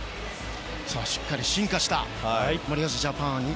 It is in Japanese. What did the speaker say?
しっかり進化した森保ジャパンに